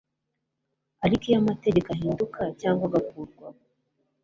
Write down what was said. Ariko iyo amategeko ahinduka cyangwa agakurwaho,